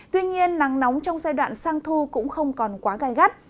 tuy nhiên nắng nóng trong giai đoạn sang thu cũng không còn quá gai gắt